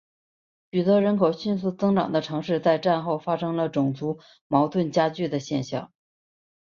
许多人口迅速增长的城市在战后发生了种族矛盾加剧的现象。